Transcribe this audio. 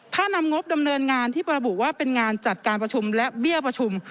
ถ้านำงบดำเนินงานที่ประบุว่าเป็นงานจัดการประชุมและเบี้ยประชุม